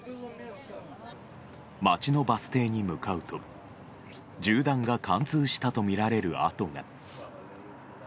街のバス停に向かうと銃弾が貫通したとみられる跡が。